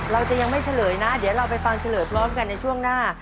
เราจะยังไม่เฉลยนะเดี๋ยวเราไปฟังเฉลยพร้อมกันในช่วงหน้า